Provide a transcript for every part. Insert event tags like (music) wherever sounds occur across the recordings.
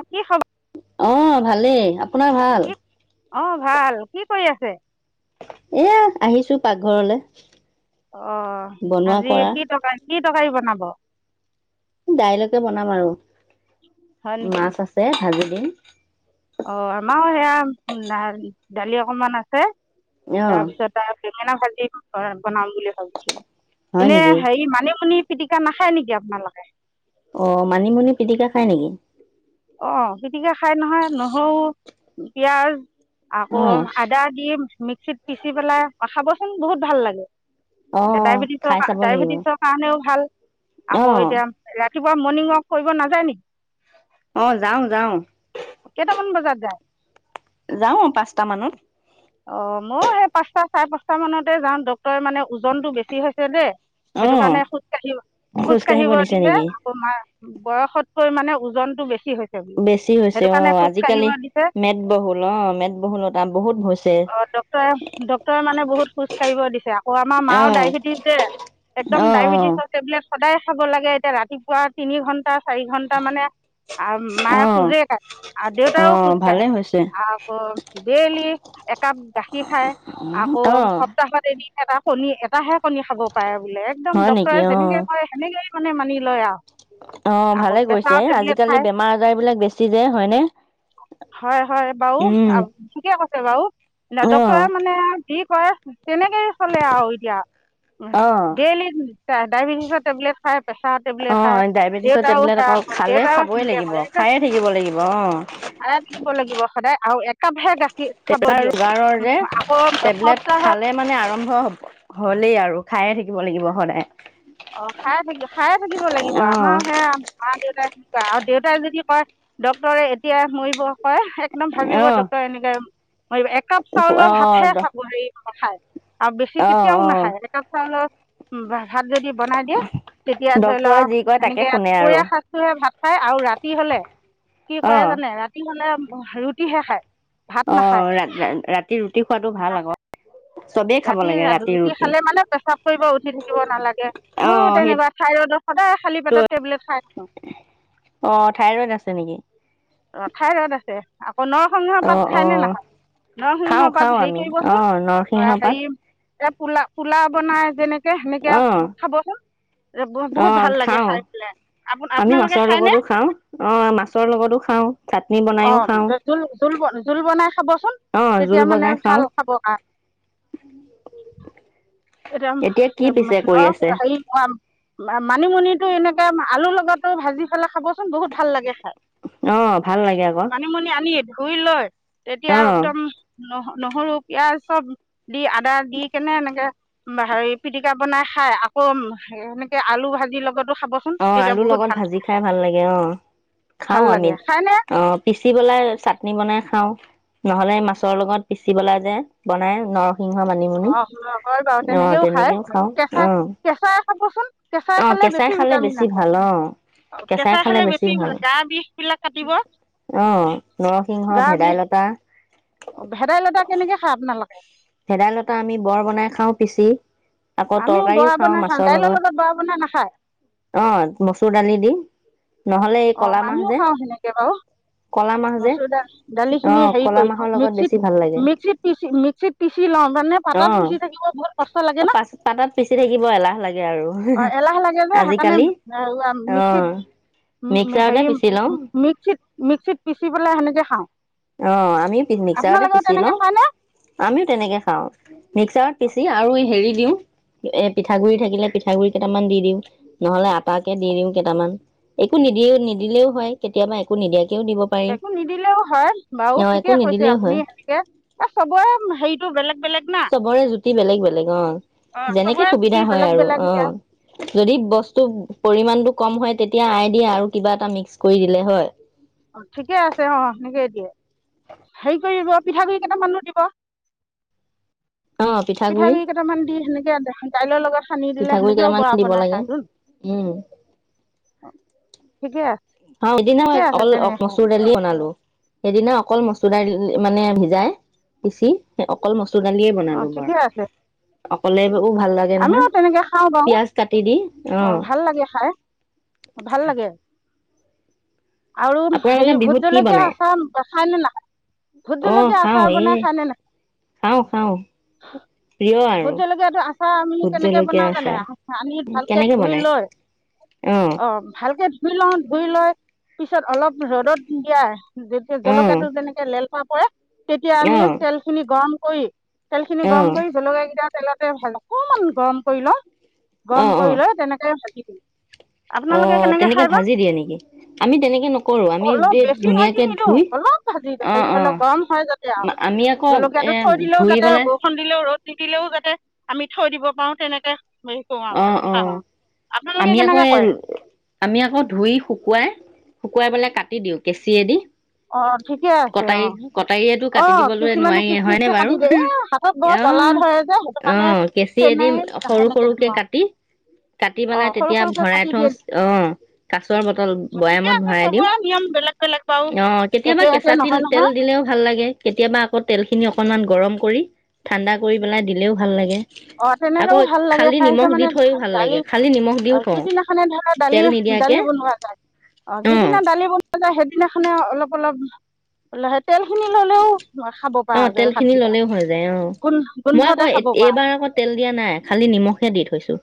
অ কি খবৰ অ' ভালেই আপোনাৰ ভাল? কি অ ভাল কি কৰি আ ছে এয়া আহিছো পাকঘৰলে অ বনোৱা আজি কৰা কি তৰকাৰি কি তৰকাৰী বনাব? দাইলকে বনাম আৰু। হয় নেকি মাছ আছে ভাজি। উম। অ আমাৰ সেয়া উ দালি অকমান আছে। অ' তাৰপিছত তা। মেনা ভাজি বনাম বুলি ভাবিছো হয় এনে নেকি হেৰি মানিমুনি। পিতিকা নাখায় নেকি আপোনালোকে অ মানিমুনি পিটিকা খাই নেকি অ পিটিকা খাই নহয় নহৰু পিয়াজ আকৌ অ' আদা দিম মিক্সিত পিচি পেলে পঠাব বহুত ভাল লাগে এতিয়া অ' ডায়বেটিছৰ খাই কাৰ চাব লাগিব ডায়েবেটিছৰ কাৰণেও ভাল আকৌ অ' এতিয়া ৰাতিপুৱা মৰ্ণিং ৱক কৰিব নাযায় নেকি অ যাও যাও কেটা মান বজাত যায় যাওঁ অ পাঁচটা মানত অ মই সেই পাঁচটা চাৰে পাঁচটা মানতে যাওঁ ডক্তৰে মানে ওজনতটো বেছি হৈছে যে সেইটো অ' কাৰণে খোজ কাঢ়িব খোজ কাঢ়িব দিছে আকৌ মা বয়সত মানে ওজনটো বেছি হৈছে বোলে বেছি হৈছে সেইটো অ কাৰণে খোজকাঢ়িব আজিকালি দিছে মেদবহুল অ মেদবহুলতটা বহুত হৈছে অ ডক্টৰে ডক্টৰে মানে বহুত খোজ কঢ়িব দিছে আকৌ আমাৰ মাও অ' ডায়েবেটিছ যে একদম অ' অ' ডায়েবেটিছৰ টেবলেট সদায় খাব লাগে এতিয়া ৰাতিপুৱা তিনি ঘণ্টা চাৰি ঘণ্টা মানে আৰু মায়ে অ' খোজেই ক়ে আৰু দেউতাৰও অ' খোজ ভালে কাঢ়ে হৈছে আকৌ ডেইলি একাপ গাখীৰ খায় আকৌ অ' সপ্তাহত এ এটা কণী এটাহে কণী খাব পাৰে বোলে একদম হয় নেকি ডক্টৰে অ যেনেকে কয় সেনেকে মে মানি লয় আহ অ ভালে কৈছে খায় আজিকালি বেমাৰ আজাৰ বিলাক বেছি যে হয়নে উম কও অ নেদেখোৱাই মানে আঁ কি কৰে তেনেকেই চলে আৰু এতিয়া অ ডেইলি ডায়বেটিছৰ টেবলেট খাই পেছাৰ টেবলেট অ খাই ডায়েবেটিছৰ দেউতাও টেবলেট ছা আকৌ আক সে খালে দেউতাও খাবই সেনেকে লাগিব কয় খাই খায়ে থাকিব লাগিব অ থাকিব লাগিব সদয় আৰু কাব হে গা পেছাৰ আৰু চুগাৰৰ যে টেবলেট সপ্তাহত খালে মানে আৰম্ভ হ'লেই আৰু খায়ে থাকিব লাগিব সদায় অ খায়ে থাকিব খায়ে থাকিব লাগিব অহ আমাৰ সেয়া মা দেউতাই সেনেুৱা আৰু দেউতা এতিয়া জদি হয় ডক্তৰে এতিয়া মৰিব হয় একদম ভাবিব ডটৰ এনেকে একাপ চাউল ভাত অহ হাতেহে খাব হি হয় আলহী অহ কেতিয়াও অ অ নাখায় একাপ চাউলত উম বা ভাদ বনাই দিয়েও তেতিয়া ধৰি ডক্তৰে লও যি কয় তাকে সেনেকে শুনে আৰু দুপৰীয়া সাজোহে ভাত খায় আৰু ৰাতি হলে কি অ হয় জানে ৰাতি হলে অ ৰুটিহে খায় ভাত অ নাখায় ৰা ৰাতি ৰুটি খোৱাতটো ভাল আগত ৰাতি ৰুটি খালে মানে প্ৰেস্ৰাৱ কৰিব উঠি থাকিব নালাগে অ মোৰো সেই তেনেকুৱা চাই টাৰডৰ সদায় খালী পেটত অ টেবলেট খাই থাকো থাইৰইড আছে নেকি অ ঠাই ৰত আছে আৌ অ নৰসিংহ অ পাত অ খায়নে নাখায় খাওঁ নৰসিংহ খাওঁ পাত হেৰি আমি অ কৰিবচোন নৰসিংহ পাত হেৰি এ পোলা পোলা বনাই যেনেকে সেনেকে অ খাবচোন অ বহুত ভাল লাগে খাও খাই পেলাই আপ আমি আপোনালোকে মাছৰ খায়নে লগতো খাওঁ অ মাছৰ লগতো খা অ জোল জোল জোল বনাই খাবচোন অ জোল তেতিয়া মানে বনাই ভাল খাওঁ খাব হাক তং এতিয়া কি পিছে কৰি আছে মছাম মানিমুনিটো এনেকে আলু লগটো ভাজি ফেলাই খাবচোন বহুত ভাল লাগে খাই অ ভাল লাগে আকৌ ঘুই লয় তেতিয়া অ একদম নহ নহৰু পিয়াজ চব দি আদা দি কেনে এনেকে হেৰি পিটিকা বনাই খাই আকৌ এেনেকে আলু ভাজিৰ লগত অ আলুৰ লগত ভাজি খাই ভাল লাগে অ ভাল খাও আমি লাগে খাইনে অ পিচি পেলাই চাটনি বনাই খাওঁ নহ'লে মাছৰ লগত পিচিবলা যে বনাই নৰখ অ বাৰু তেনেকেও খাই খাওঁ কেঁচাই অ কেঁচাই খাবচোন কেঁচাই খালে বেছি খালে ভিটামিন বেছি আছে ভাল অ কেঁচাই খালে বেছি ভাল গা বিষ বিলাক কাটিব অ নৰসিংহ গা বিষ ভেদাইলতা ভেদাইলতা কেনেকে খাই আপোনালোকে অ ভেদাইলতা আমি বৰ বনাই খাও পিচি আকৌ আমিও বৰা তৰকাৰিও খাওঁ বনাই মাছৰ দাইলৰ লগত বৰা বনাই নাখায় লগত অ মচুৰ দালি দি নহ'লে এই অ কলা মাহ মানুহ যে খাও সেনেকে বাৰু কলা মাহ যে মচুৰ দাল অ দালিখিনি হেৰি কলা কৰি মাহৰ লওঁ লগত বেছি ভাল লাগে মিক্সিত মিক্সিত পিচি মিক্সিত পিচি লওঁ মানে অ পাতত পিচি থাকিব বহুত কষ্ট লাগে ন পা পাতত পিচি থাকিব এলাহ লাগে আৰু অ এলাহ লাগে যে সেইকাৰণে আজিকালি অ মিক্সিত উ মিক্সাৰতে হেৰি পিচি লওঁ মিক্সিত মিক্সিত পিচি পেলাই সেনেকে খাওঁ অ আমিও মিক্সাৰতে আপোনালোকেও পিচি তেনেকে লওঁ খায়নে আমিও তেনেকে খাওঁ মিক্সাৰত পিচি আৰু এই হেৰি দিওঁ এ পিঠাগুৰি থাকিলে পিঠাগুৰি কেইটামান দি দিও নহলে আটাকে দি দিওঁ কেইটামান একো নিদিলেও নিদিলেও হয় কেতিয়াবা একো নিদিয়াক একো নিদিলেও হয় বাৰু আহ একো ঠিকে কৈছে নিদিলেও আপুনি হয় সেনেকে এ চবৰে হেৰিটো বেলেগ বেলেগ না চবৰে জুতি বেলেগ বেলেগ অ অ যেনেকে চবৰে জুতি সুবিধা হয় বেলেগ আৰু বেলেগ এতিয়া আহ যদি বস্তু পৰিমানটো কম হয় তেতিয়া আই দিয়ে আৰু কিবা এটা মিক্স কৰি দিলে হয় অ ঠিকে আছে অ সেনেকেই দিয়ে হেৰি কৰিব পিঠাগুড়ি কেইটামানো দিব অ পিঠাগুৰি পিঠাগুড়ি কেইটামান দি সেনেকে দাইলৰ লগত সানি দিলে পিঠাগুৰি সেনেকেও কেইটামান বৰা দিব বনাই লাগে খায় চোন উম ঠিকে অ ঠিকে আছে তেনেকে দিনত খাই মচুৰ দালি বনালো সেইদিনা অকল মচ চুডাৰ মানে ভিজাই পিচি অকল মছলা সণালীয়ে অঁ বনালো ঠিকে বাৰু আছে অকলে আমিও তেনেকে খাওঁ বাৰু কাটি দি অ ভাল লাগে খাই ভাল লাগে আৰু আৰু আপোনালোকে হেৰি বিহুত কি ভুতজলকীয়া বনাই আচাৰ খায়নে নাই অ ভুতজলকীয়া খাও আচাৰ এ বনাই খায়নে খাও খাও নাই প্ৰিয় আৰু ভুতজলকীয়াটো আচাৰ ভোট কেনেকে জলকীয়া বনাও জানে আচাৰ আনি ভালকে কেনেকে ধুই বনাই লৈ অ ভালকে ধুই লওঁ ধুই লৈ পিছত অলপ ৰদত দিয়া যে অ জলকীয়াটো যেনেকে ল ত পৰা তেতিয়া অ আমি তেলখিনি গৰম হয় তেলখিনি অ গৰম কৰি জলকীয়া কেইটা তেলতে ভাল অকমান গৰম কৰি ল। অ গৰম অ কৰিলই তেনেকে ভা অ', তেনেকে ভাজি দিয়ে নেকি? আমি তেনেকে নকৰো। আমি অলপ গোটে বেছি ভাজি ধুনীয়াকে নিদিওঁ ধুই, অলপ ভাজি অ হেৰি ধৰি লওক গৰম হয় যাতে আৰু -অ আমি আকৌ এ ধুই পেলাই তিতিলেও যাতে আমি থৈ দিব পাৰো তেনেকে। হেৰি কৰোঁ আৰু ভাজি অ-অ, খাওঁ আৰু আপোনালোকে আমি আকৌ কেনেকে এই কৰে আমি আকৌ ধুই শুকুৱাই শুকুৱাই পেলাই কাটি দিওঁ কেঁচিয়েদি। অ ঠিকে আছে অ। কটাৰী কটাৰীয়েটো অ কাটি দিবলৈ কিছুমানে নোৱাৰিয়ে পিচ হয়নে পিচকে বাৰু? কাটি দিয়ে। এ হাতত বৰ জ্বলা অ', ধৰে যে সেইটোকাৰণে তেনে সেনেকে দিওঁ গোটেই আৰু কাটি-কাটি পেলাই অঁ সৰু তেতিয়া সৰুকে ভৰাই কাটি থওঁ দিয়ে অ কাছৰ বটল অঁ ঠিকে বয়ামত আছে ভৰাই দিওঁ। চবৰে নিয়ম বেলেগ বেলেগ বাৰু অ কেতিয়াবা একে একে কেঁচা তিল নহয় তেল নহয় দিলেও ভাল লাগে কেতিয়াবা আকৌ তেলখিনি অকণমান গৰম কৰি ঠাণ্ডা কৰি পেলাই দিলেও ভাল লাগে। অ আকৌ তেনেকেও ভাল লাগে। খালি ঠাইছে নিমখ দি মানে থৈও ভাত ভাল দালি লাগে খালি নিমখ অ দিও থওঁ যিদিনাখনে ধৰা তেল নিদিয়াকে দালি-দালি বনোৱা যায়। অ যিদিনা দালি বনোৱা সেইদিনাখনে অলপ অলপ লাহে তেলখিনি ল'লেও খাব প অ তেল খিনি ললেও হৈ যায়, অ মই আকৌ গোন্ধতে খাব পৰা এইবাৰ তাৰ আকৌ তেল দিয়া নাই খালি নিমখে দি থৈছো।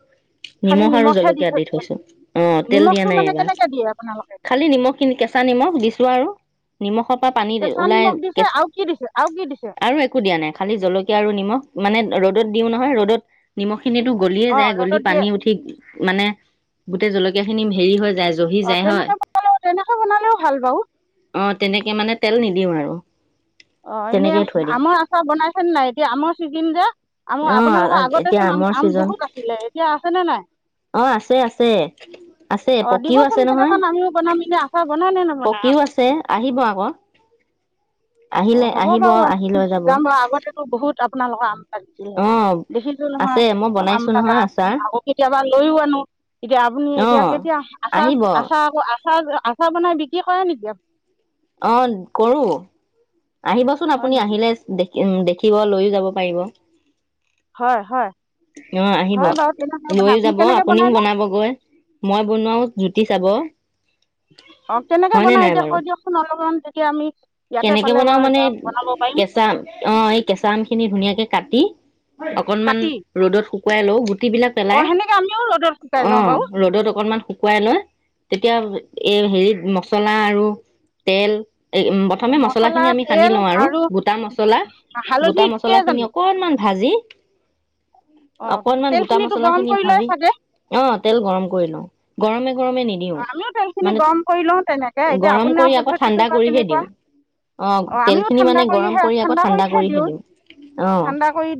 খালি নিমখ আৰু নিমখে জলকীয়া থৈ দি দিছে থৈছো। অ তেল দিয়া নিমখটো নাই মানে এইবাৰ। কেনেকে দিয়ে আপোনালোকে খালি নিমখখিনি কেঁচা নিমখ দিছো আৰু। নিমখত বা পানী কেঁচা ওলাই নিমখ দিছে কেচ আৰু কি দিছে আৰু কি দিছে আৰু একো দিয়া নাই খালি জলকীয়া আৰু নিমখ মানে ৰ'দত দিওঁ নহয় ৰ'দত নিমখ খিনিতো গলিয়ে অ যায়। ৰ'দত গলি দিয়ে পানী উঠি মানে গোটেই জলকীয়া খিনি হেৰি হৈ যায় জহি অ যায় হয়? তেনেকে তেনেকে বনালেও ভাল বাৰু। দিম আৰু। অ এনে তেনেকেই থৈ দিম আমৰ আচাৰ বনাইছেনে নাই? এতিয়া আমৰ চিজন যে আম অ আপোনালোকৰ এতিয়া আগতেচোন আমৰ আম-আম ছিজন বহুত আছিলে। এতিয়া আছেনে নাই? অ আছে আছে আছে অ পকীও আছে দিবচোন নহয় কেইটামান আনি। পকীও আছে, আহিব আকৌ। অ আহিলে হ'ব আহিব বাৰু। আহি লৈ যাব যাম বাৰু আগতেটো বহুত আপোনালোকৰ আম লাগি অ দেখিছো আছে মই নহয় আম বনাইছো নহয় আচাৰ আকৌ কেতিয়াবা লৈও আনো এতিয়া আপুনি অ এতিয়া কেতিয়া আচা আহিব আচা আকৌ আচা আচাৰ বনাই বিক্ৰী কৰে নেকি অ কৰোঁ আহিবচোন হয় আপুনি নেকি আহিলে দেখে উম দেখিব লৈও যাব পাৰিব হয় হয় অ আহিব হয় বাৰু কেনেকৈ বনাই লৈও আপুনি যাব কেনেকৈ আপুনিও বনাইনো বনাবগৈ মই বনোৱাও জুতি লব। কি চাব অ কেনেকে হয়নে বনাই নাই এতিয়া বাৰু কৈ দিয়কচোন অলপমান বেচি এতিয়া আমি ইয়াতে কেনেকে পালে বনাওঁ বাৰু মানে এতিয়া বনাব পাৰিম কেঁচা অ এই কেঁচা আম খিনি ধুনীয়াকে কাটি অকনমান কাটি ৰ'দত শুকুৱাই শুকুৱাই লো গোটি বিলাক অঁ পেলাই সেনেকৈ আমিও ৰ'দত শুকাই অ লওঁ বাৰু ৰ'দত অকনমান শুকুৱাই শুকুৱাই লয় তেতিয়া এই হেৰিত মচলা আৰু তেল এ প্ৰথমে মছলা খিনি আমি সানি লওঁ আৰু গোটা মছলা হালধি গোটা মছলা দিয়ে খিনি জানো অকণমান ভাজি অঁ অকনমান গোটা তেলখিনিতো মছলা গৰম খিনি কৰি লয় ভাজি চাগে অ তেল গৰম কৰি লওঁ গৰমে গৰমে নিদিওঁ আমিও তেল এইখিনি মানে গৰম কৰি লওঁতেনেকে এতিয়া গৰম কৰি আপোনাৰ আকৌ ঠাণ্ডা পদ্ধতিটোৰ বা কৰিহে দিওঁ কেনেকুৱা অ অঁ আমিও তেলখিনি ঠাণ্ডা মানে গৰম কৰিহে কৰি আকৌ ঠাণ্ডা কৰিহে দিওঁ অ ঠাণ্ডা কৰি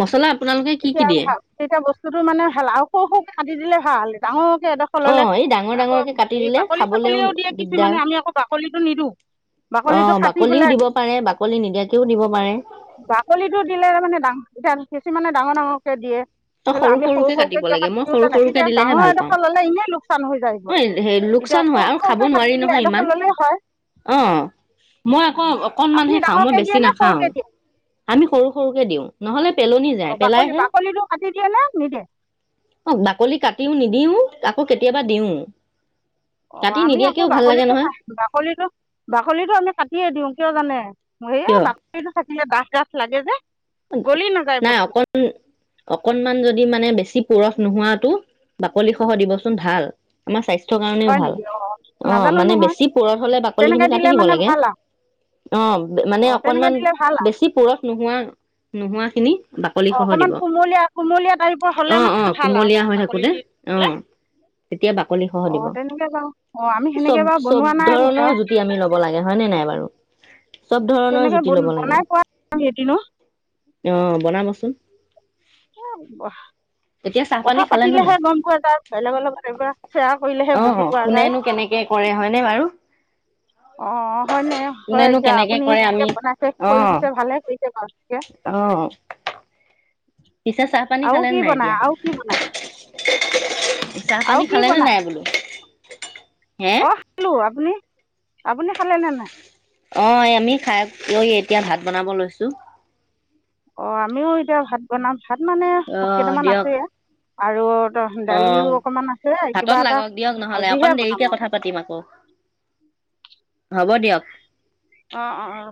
মচলা এতিয়া ভাল তেতিয়া বস্তুতো মানে ভাল সৰু সৰু কে কাটি দিলে ভাল ডাঙৰ পিছে অ এডোখৰললে এই ডাঙৰ আকৌ ডাঙৰকে কাটি হাৰি দিলে বাকলি খাবলেও চাকলিও দিয়ে দিগদাৰ কিছুমানে আমি আকৌ বাকলিটো নিদিওঁ অ বাকলিটো কাটি বাকলিও পেলাই দিব দি পাৰে বাকলি নিদিয়াকেও দিব পাৰে বাকলিটো দিলে বাকিটো মানে এতিয়া কিছুমানে ডাঙৰ ডাঙৰকে দিয়ে। অ ধৰি লওক সৰু আমি সৰুকে কাটিব কিয় লাগে কাটি মই দিওঁ সৰু জানে সৰুকে তেতিয়া দিলেহে ডাঙৰ সৰু সৰু এডোখৰ ল'লে এনেই লোকচান হৈ কে যায়গৈ কাটিব লাগে মই সৰু সৰু কে দিলে ভাল পাওঁ অ এতিয়া লোকচান হয় সৰু আৰু খাব সৰুকে কাটি নোৱাৰি দিলে নহয় এডোখৰ ইমান ল'লেই হয় অ মই আকৌ আপুনি অকনমানহে খাওঁ মই ডাঙৰকে বেছি দিয়ে নে নাখাওঁ সৰুকে দিয়ে আমি সৰু সৰুকে দিওঁ নহলে পেলনি যায় অঁ বাকলি পেলাইহে বাকলিটো কাটি দিয়ে নে নিদিয়ে অ বাকলি কাটিও নিদিওঁ আকৌ কেতিয়াবা দিওঁ। অঁ আমি আকৌ বাকলিটো বাকলিটো বাকলিটো আমি কাটিয়ে দিওঁ কিয় জানে ইয়ে কিয় বাকলি নাথাকিলে বাট দে লাগে যে গলি নাযায় নাই বস্তু অক অকনমান যদি মানে বেছি পুৰচ নোহোৱাতো বাকলি সহ দিবচোন ভাল আমাৰ স্বাস্থ কাৰণেও হয় ভাল নেকি অঁ অ নাজানো মানে নহয় বেছি পুৰঠ হলে বাকলি খিনি তেনেকৈ কাটি দিলে দিব মানে লাগে ভাল আৰু অ মানে অঁ তেনেকৈ অকনমান দিলে ভাল আৰু বেছি পুৰঠ নোহোৱা নোহোৱাখিনি অ অকনমান কুমলীয়া কুমলীয়া টাইপৰ হলে অ অ মানে ভাল আৰু কুমলীয়া ন হৈ থাকোতে বাকলিটো অ বোলে তেতিয়া বাকলি সহ দিব অঁ আমি চব সেনেকৈ বাৰু চব বনোৱা নাই ধৰণৰ বাৰু জদী আমি লব লাগে হয়নে নাই বাৰু (unintelligible) ধৰণৰ তেনেকে জুতি ল'ব লাগে বনাই পোৱা নাই এদিনো অ বনাবচোন তেতিয়া চাহ পানী কথা খালে নে নাই পাতিলেহে গম পোৱা যায় বেলেগৰ লগত এইবিলাক শ্বেয়াৰ কৰিলেহে অ বুজি পোৱা যায় কোনেনো কেনেকে কৰে হয়নে বাৰু অ হয়নে হয় কোনেনো কেনেকে আপুনি কৰে বনাইছে কৰি দিছে ভালে কৰিছে বাৰু এতিয়া। অ পিছে চাহ পানী আৰু খালে কি নে নাই বনাই এতিয়া আৰু কি বনাই চাহ আৰু পানী খালে নে নাই বোলো হে অহ বোলো আপুনি আপুনি খালেনে নাই অ আমি খাই লৈ এতিয়া ভাত বনাব লৈছো অ আমিও এতিয়া ভাত বনাম ভাত মানে অ ভাত কেইটামান দিয়ক আছে আৰু অ দালিও অকমান আছে কিবা ভাতত এটা লাগক দিয়ক নহ'লে ভাজিহে অকণ বনাম দেৰিকে আৰু কথা পাতিম আকৌ হব দিয়ক অ অ অ